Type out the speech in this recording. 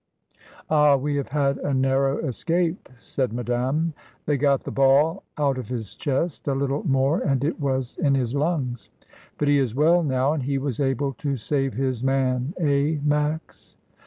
"Ah! we have had a narrow escape," said Ma dame. "They got the ball out of his chest; a little more and it was in his lungs. But he is well now, and he was able to save his man. Eh! Max?"